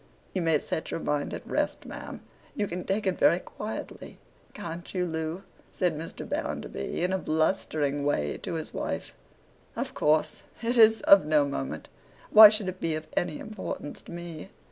'You may set your mind at rest, ma'am.—You can take it very quietly, can't you, Loo?' said Mr. Bounderby, in a blustering way to his wife. 'Of course. It is of no moment. Why should it be of any importance to me?